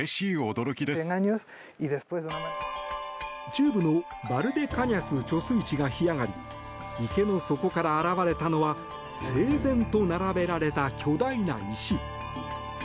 中部のバルデカニャス貯水池が干上がり池の底から現れたのは整然と並べられた巨大な石。